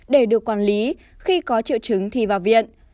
để được quản lý khi có triệu chứng thì vào viện